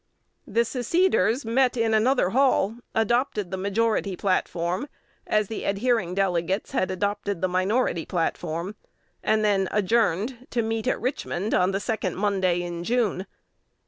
The seceders met in another hall, adopted the majority platform, as the adhering delegates had adopted the minority platform, and then adjourned to meet at Richmond on the second Monday in June.